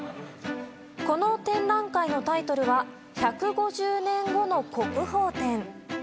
この展覧会のタイトルは「１５０年後の国宝展」。